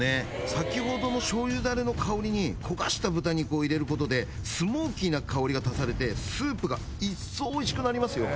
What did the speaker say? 先ほどのしょう油ダレの香りに焦がした豚肉を入れることでスモーキーな香りが足されてスープが一層おいしくなりますよ